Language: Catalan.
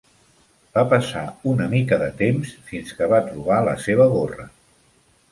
Va passar una mica de temps fins que va trobar la seva gorra.